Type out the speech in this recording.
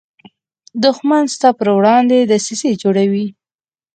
دښمن ستا پر وړاندې دسیسې جوړوي